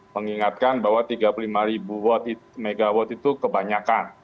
mengingatkan bahwa tiga puluh lima ribu watt megawatt itu kebanyakan